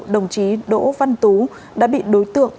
đồng chí đỗ văn tú đã bị đối tượng